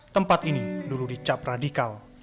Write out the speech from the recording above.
tempat ini dulu dicap radikal